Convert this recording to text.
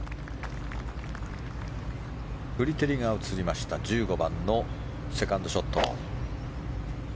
フリテリが映りました１５番のセカンドショット。